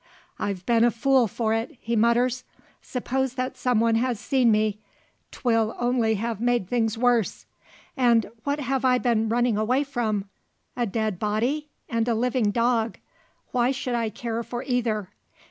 "I've been a fool for it," he mutters. "Suppose that some one has seen me? 'Twill only have made things worse. And what have I been running away from? A dead body, and a living dog! Why should I care for either?